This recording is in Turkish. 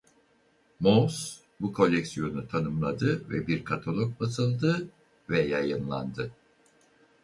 Mohs bu koleksiyonu tanımladı ve bir katalog basıldı ve yayınlandı.